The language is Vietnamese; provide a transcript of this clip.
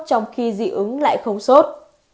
trong khi dị ứng lại không sốt